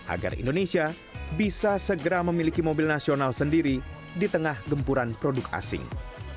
agar indonesia bisa segera memiliki mobil nasional sendiri di tengah gempuran produk asing